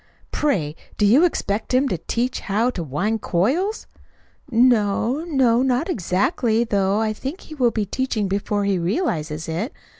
Pray, do you expect him to teach how to wind coils?" "No no not exactly; though I think he will be teaching before he realizes it.